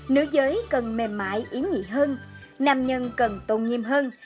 nữ giới cần mềm mại ý nhị hơn nam nhân cần tôn nhiêm hơn